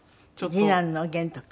次男の玄兎君？